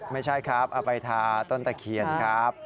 ไม่ใช่ครับเอาไปทาต้นตะเคียนครับ